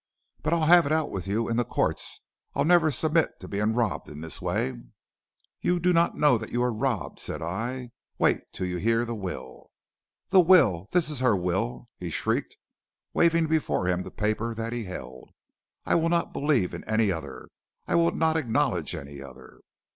But I'll have it out with you in the courts. I'll never submit to being robbed in this way.' "'You do not know that you are robbed,' said I, 'wait till you hear the will.' "'The will? This is her will!' he shrieked, waving before him the paper that he held; 'I will not believe in any other; I will not acknowledge any other.'